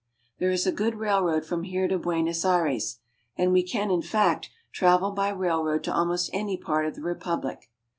There is a good railroad from here to Buenos Aires, and we can, in fact, travel by railroad to almost any part of the republic.